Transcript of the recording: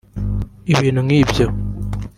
Ibintu nkibyo